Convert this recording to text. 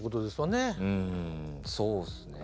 うんそうっすね。